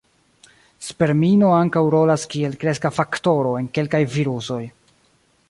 Spermino ankaŭ rolas kiel kreska faktoro en kelkaj virusoj.